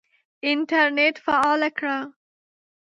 انټرنېټ فعاله کړه !